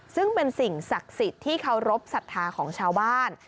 ซึ่งเป็นสิ่งศักดิ์สิทธิ์ที่เคารพสัทธาของชาวบ้าน